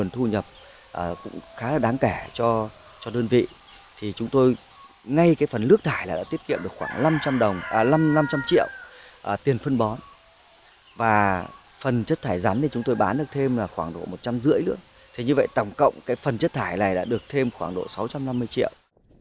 tổng cộng cái phần chất thải này đã được thêm khoảng độ sáu trăm năm mươi triệu